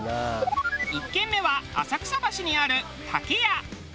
１軒目は浅草橋にある竹や。